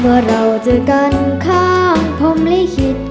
เมื่อเราเจอกันข้างพร้อมเลี้ยงคิด